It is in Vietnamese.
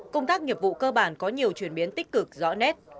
các nhiệm vụ cơ bản có nhiều chuyển biến tích cực rõ nét